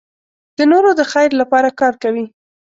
د نورو د خیر لپاره کار کوي.